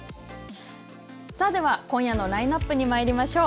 では、今夜のラインナップにまいりましょう。